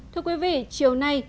thưa quý vị chiều nay